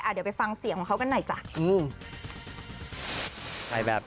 เดี๋ยวไปฟังเสียงของเขากันหน่อยจ้ะ